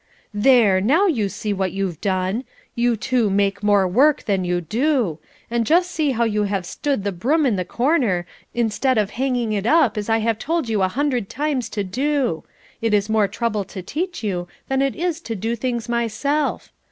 "There! now see what you have done! You two make more work than you do; and just see how you have stood the broom in the corner, instead of hanging it up, as I have told you a hundred times to do. It is more trouble to teach you than it is to do things myself.